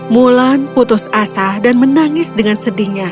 mulan putus asa dan menangis dengan sedihnya